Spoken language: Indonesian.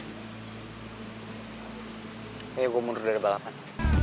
kayaknya gue mundur dari balapan